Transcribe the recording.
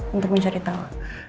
untuk mencari tahu